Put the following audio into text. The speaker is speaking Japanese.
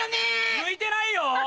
向いてないよ？